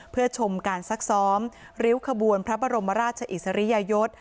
เพื่อชมการซักซ้อมริ้วขบวนพระบรมราชอิสริยยศ